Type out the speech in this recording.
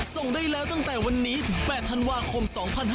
ส่งได้แล้วตั้งแต่วันนี้ถึง๘ธันวาคม๒๕๖๒